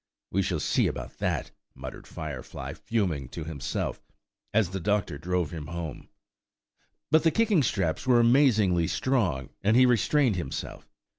"We shall see about that," muttered Firefly, fuming to himself, as the doctor drove him home. But the kicking straps were amazingly strong, and he restrained himself.